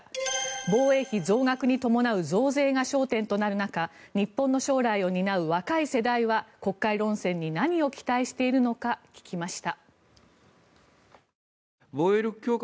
防衛費増額に伴う増税が焦点となる中日本の将来を担う若い世代は国会論戦に何を期待しているのか聞きました。